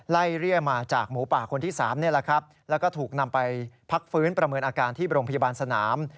เรียมาจากหมูป่าคนที่๓นี่แหละครับแล้วก็ถูกนำไปพักฟื้นประเมินอาการที่โรงพยาบาลสนาม